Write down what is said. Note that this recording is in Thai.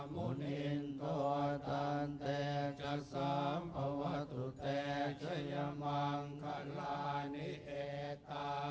มุนินตัวท่านแต่จะสร้างพวัตถุแต่จะยามังคลานิโฆษภา